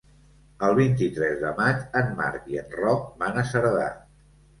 El vint-i-tres de maig en Marc i en Roc van a Cerdà.